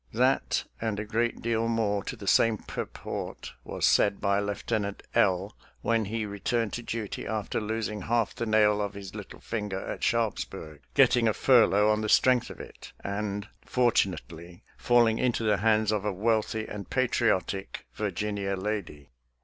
That, and a great deal more to the same purport, was said by Lieutenant L when he returned to duty after losing half the nail of his little finger at Sharpsburg, getting a furlough on the strength of it, and, fortunately, falling into the hands of a wealthy and patriotic Virginia lady.